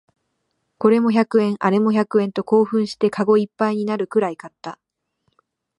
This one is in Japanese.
これも百円、あれも百円と興奮してカゴいっぱいになるくらい買った